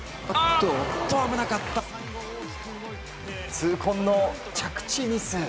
痛恨の着地ミス。